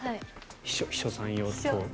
秘書さん用と。